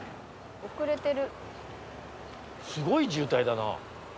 すごい渋滞だな。